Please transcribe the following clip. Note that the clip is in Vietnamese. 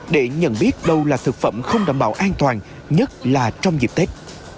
để nhận biết đâu là thực phẩm không đảm bảo an toàn nhất là trong dịp tết